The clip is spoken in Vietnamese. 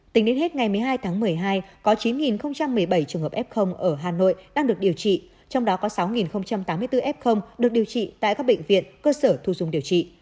tính đến hết ngày một mươi hai tháng một mươi hai có chín một mươi bảy trường hợp f ở hà nội đang được điều trị trong đó có sáu tám mươi bốn f được điều trị tại các bệnh viện cơ sở thu dung điều trị